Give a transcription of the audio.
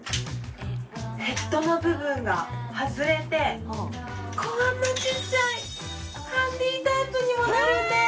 ヘッドの部分が外れてこんなちっちゃいハンディタイプにもなるんです